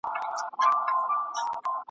سمدستي سو پوه د زرکي له پروازه .